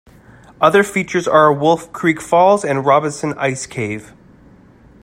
Other features are Wolf Creek Falls and Robinson Ice Cave.